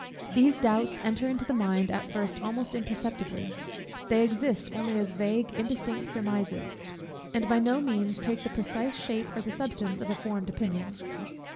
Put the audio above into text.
These doubts enter into the mind at first almost imperceptibly: they exist only as vague indistinct surmises, and by no means take the precise shape or the substance of a formed opinion.